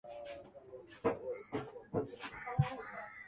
na asilimia ishirini na moja kwa mafuta ya taa